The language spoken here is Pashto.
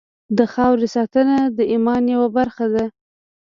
د خاورې ساتنه د ایمان یوه برخه ده.